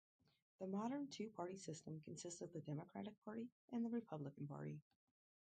The modern two-party system consists of the Democratic Party and the Republican Party.